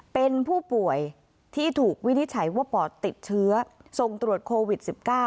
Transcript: เป็นผู้ป่วยที่ถูกวินิจฉัยว่าปอดติดเชื้อส่งตรวจโควิด๑๙